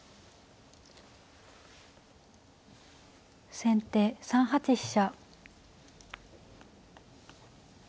先手３八飛車。